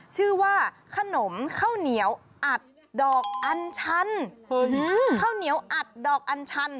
ชื่อว่าขนมข้าวเหนียวอัดดอกอันชันข้าวเหนียวอัดดอกอันชัน